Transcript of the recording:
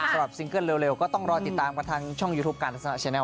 จริงค่ะเห็นมีคนชอบทำบุญต่อองค์หน้าพระเลยนะคะ